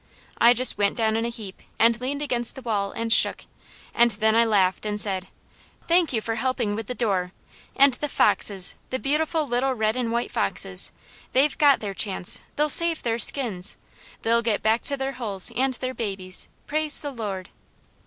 I just went down in a heap and leaned against the wall and shook, and then I laughed and said: "Thank you, Lord! Thank you for helping with the door! And the foxes! The beautiful little red and white foxes! They've got their chance! They'll save their skins! They'll get back to their holes and their babies! Praise the Lord!"